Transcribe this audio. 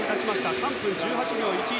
３分１８秒１１。